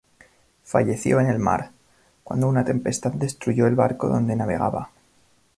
Falleció en el mar, cuando una tempestad destruyó el barco donde navegaba.